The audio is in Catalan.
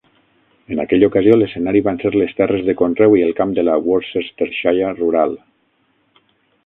En aquella ocasió l'escenari van ser les terres de conreu i el camp de la Worcestershire rural.